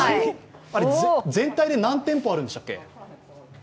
全体で何店舗あるんでしたっけ？